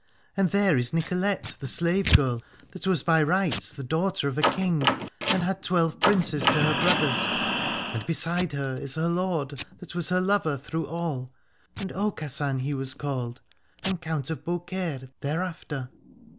And there is Nicolette the slave girl, that was by rights the daughter of a king, and had twelve princes to her brothers. And beside her is her lord, that was her lover through all, and Aucassin he was called, and Count of Beaucaire thereafter.